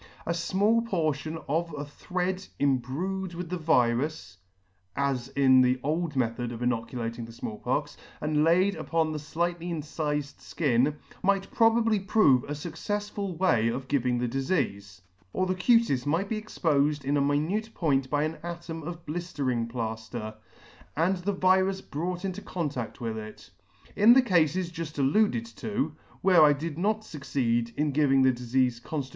A fmall portion of a thread im brued in the virus, (as in the old method of inoculating the Small Pox,) and laid upon the (lightly incifed (kin, might pro bably prove a fuccefsful way of giving the difeafe ; or the cutis might be expofed in a minute point by an atom of bliftering plafter, and the virus brought in contadf with it. In the Cafes juft alluded to, where I did not fucceed in giving the difeafe conftitutionally.